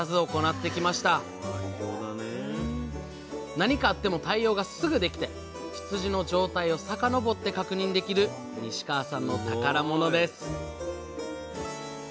何かあっても対応がすぐできて羊の状態を遡って確認できる西川さんの宝物です